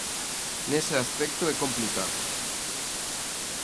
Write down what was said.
Nese aspecto é complicado.